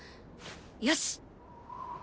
よし！